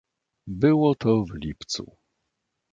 "Było to w lipcu."